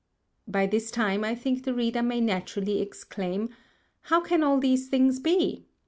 By this Time I think the Reader may naturally exclaim, How can all these Things be?